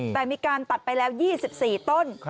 แต่มีการตัดไปแล้ว๒๔ต้น